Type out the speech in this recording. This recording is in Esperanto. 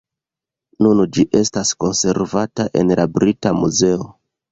Nun ĝi estas konservata en la Brita Muzeo.